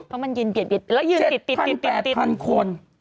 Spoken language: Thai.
เพราะมันยินติดแล้วติด๗๐๐๐๘๐๐๐คน